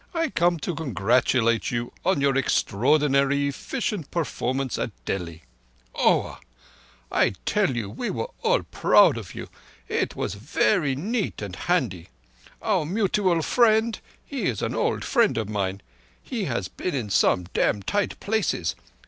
I come to congratulate you on your extraordinary effeecient performance at Delhi. Oah! I tell you we are all proud of you. It was verree neat and handy. Our mutual friend, he is old friend of mine. He has been in some dam' tight places.